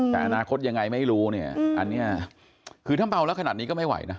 แต่อนาคตยังไงไม่รู้เนี่ยอันนี้คือถ้าเมาแล้วขนาดนี้ก็ไม่ไหวนะ